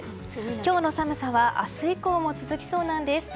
今日の寒さは明日以降も続きそうなんです。